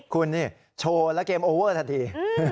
คุณนี่โชว์แล้วเกมโอเวอร์ทันที